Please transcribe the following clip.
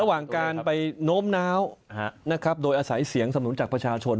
ระหว่างการไปโน้มน้าวนะครับโดยอาศัยเสียงสำนุนจากประชาชน